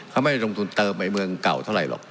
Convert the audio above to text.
เขาไม่ได้ลงทุนเติมในเมืองเก่าเท่าไหรหรอก